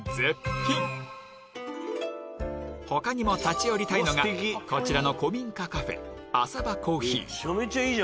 他にも立ち寄りたいのがこちらの古民家